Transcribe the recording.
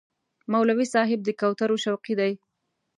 مولوي صاحب د کوترو شوقي دی.